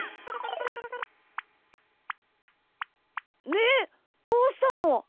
みーどうしたの？